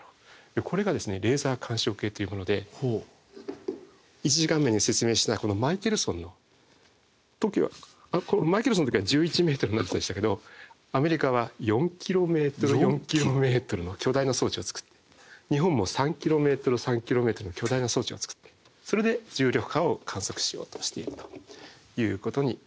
これがレーザー干渉計というもので１時間目に説明したこのマイケルソンの時は１１ｍのやつでしたけどアメリカは４ｋｍ４ｋｍの巨大な装置を作って日本も３ｋｍ３ｋｍの巨大な装置を作ってそれで重力波を観測しようとしているということになります。